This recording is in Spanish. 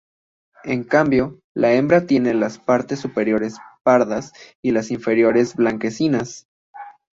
En cambio, la hembra tiene las partes superiores pardas y las inferiores blanquecinas.